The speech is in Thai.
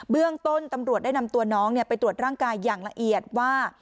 เรื่องต้นตำรวจได้นำตัวน้องไปตรวจร่างกายอย่างละเอียดว่า